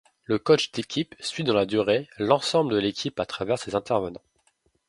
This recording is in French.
Le coach d'équipe suit dans la durée l'ensemble de l'équipe à travers ses intervenants.